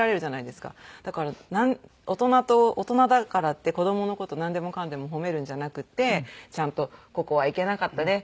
だから大人だからって子供の事なんでもかんでも褒めるんじゃなくてちゃんとここはいけなかったね